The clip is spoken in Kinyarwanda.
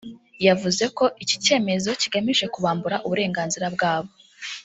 yavuze ko iki cyemezo kigamije kubambura uburenganzira bwabo